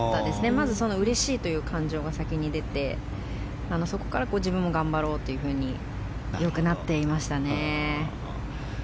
まずうれしいという感情が先に出て自分も頑張ろうとそういうふうにして良くなっていましたね。